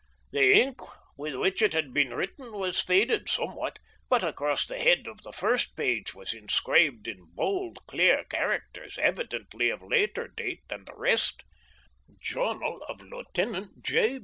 The ink with which it had been written was faded somewhat, but across the head of the first page was inscribed in bold, clear characters, evidently of later date than the rest: "Journal of Lieutenant J.